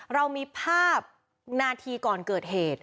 เรามีภาพนาทีก่อนเกิดเหตุ